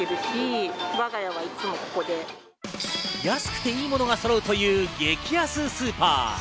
安くていいものがそろうという激安スーパー。